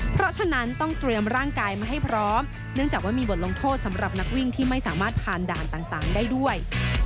เพราะฉะนั้นต้องเตรียมร่างกายมาให้พร้อมเนื่องจากว่ามีบทลงโทษสำหรับนักวิ่งที่ไม่สามารถผ่านด่านต่างได้ด้วย